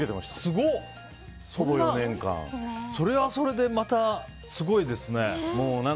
すごい！それはそれでまたすごいですね。